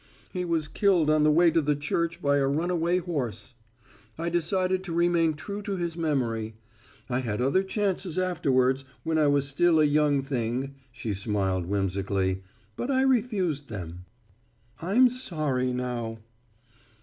He was killed on the way to the church by a runaway horse. I decided to remain true to his memory. I had other chances afterwards, when I was still a young thing," she smiled whimsically, "but I refused them. I'm sorry now."